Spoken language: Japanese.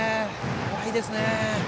怖いですね。